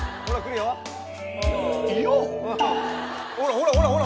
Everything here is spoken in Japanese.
ほらほらほら。